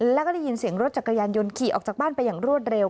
แล้วก็ได้ยินเสียงรถจักรยานยนต์ขี่ออกจากบ้านไปอย่างรวดเร็ว